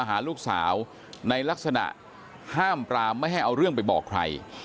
ห้ามปรามไม่ให้เอาเรื่องไปบอกใคร